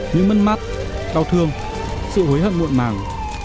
những mất mát đau thương sự hối hận muộn màng